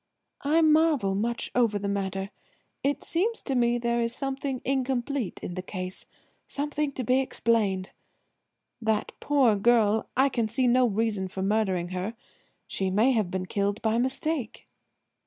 "I marvel much over the matter. It seems to me there is something incomplete in the case–something to be explained. That poor girl! I can see no reason for murdering her. She may have been killed by mistake.